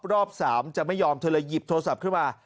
รอบ๓จะไม่ยอมเธอเลยหยิบโทรศัพท์ขึ้นมา